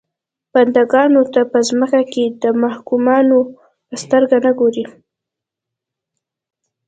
بنده ګانو ته په ځمکه کې محکومانو په سترګه نه ګوري.